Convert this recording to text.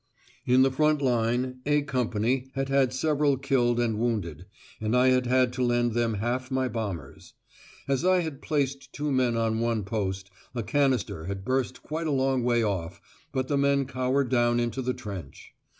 In the front line "A" Company had had several killed and wounded, and I had had to lend them half my bombers; as I had placed two men on one post, a canister had burst quite a long way off, but the men cowered down into the trench.